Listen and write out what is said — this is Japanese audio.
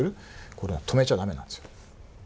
これは止めちゃだめなんですよ。